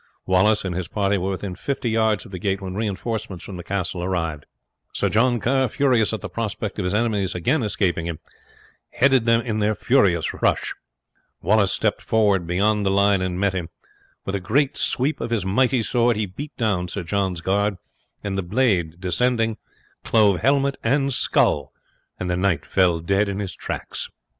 Wallace and his party were within fifty yards of the gate when reinforcements from the castle arrived. Sir John Kerr, furious at the prospect of his enemies again escaping him, headed them in their furious rush. Wallace stepped forward beyond the line and met him. With a great sweep of his mighty sword he beat down Sir John's guard, and the blade descending clove helmet and skull, and the knight fell dead in his tracks.